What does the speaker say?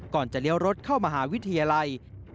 จะเลี้ยวรถเข้ามหาวิทยาลัย